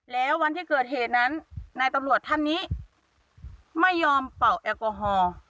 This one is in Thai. แล้ววันที่เกิดเหตุนั้นนายตำรวจท่านนี้ไม่ยอมเป่าแอลกอฮอล์